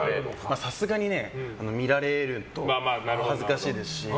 さすがに見られると恥ずかしいですし。